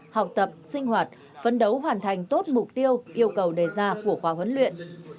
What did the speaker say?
học tập sinh hoạt phấn đấu hoàn thành tốt mục tiêu yêu cầu đề ra của khóa huấn luyện